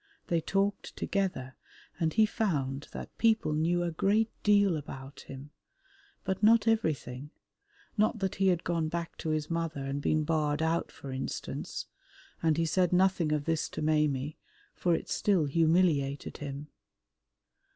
They talked together and he found that people knew a great deal about him, but not everything, not that he had gone back to his mother and been barred out, for instance, and he said nothing of this to Maimie, for it still humiliated him.